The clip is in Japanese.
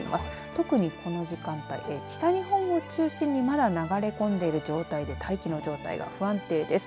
特にこの時間帯、北日本を中心にまだ流れ込んでいる状態で大気の状態が不安定です。